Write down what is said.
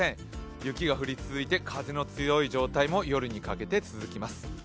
雪が降り続いて、風の強い状態も夜にかけて続きます。